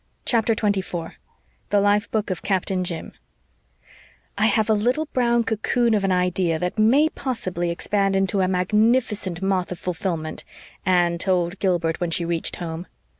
CHAPTER 24 THE LIFE BOOK OF CAPTAIN JIM "I have a little brown cocoon of an idea that may possibly expand into a magnificent moth of fulfilment," Anne told Gilbert when she reached home.